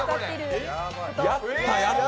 やったやった！